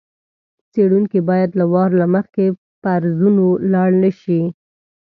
څېړونکی باید له وار له مخکې فرضونو لاړ نه شي.